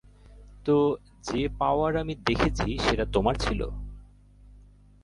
তো, যে পাওয়ার আমি দেখেছি সেটা তোমার ছিল?